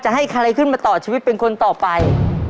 ให้ใครขึ้นมาต่อชีวิตเป็นคนต่อไป